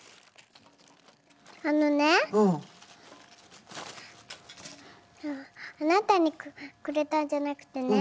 あなたにくれたんじゃなくてね